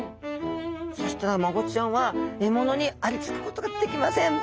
そしたらマゴチちゃんは獲物にありつくことができません。